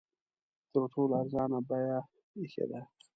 تر ټولو ارزانه بیه ایښې ده.